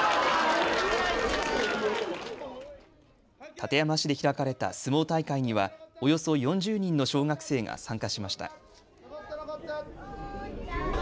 館山市で開かれた相撲大会にはおよそ４０人の小学生が参加しました。